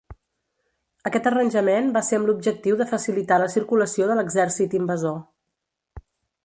Aquest arranjament va ser amb l'objectiu de facilitar la circulació de l'exèrcit invasor.